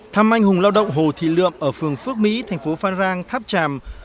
thăm anh hùng lao động hồ thị lượm ở phường phước mỹ thành phố phan rang tháp tràm